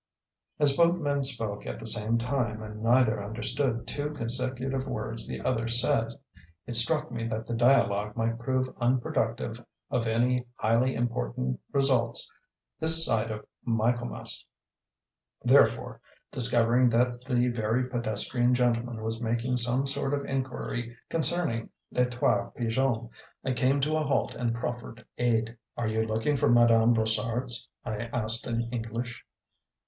As both men spoke at the same time and neither understood two consecutive words the other said, it struck me that the dialogue might prove unproductive of any highly important results this side of Michaelmas; therefore, discovering that the very pedestrian gentleman was making some sort of inquiry concerning Les Trois Pigeons, I came to a halt and proffered aid. "Are you looking for Madame Brossard's?" I asked in English.